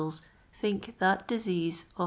lis think that d'*' a*e of .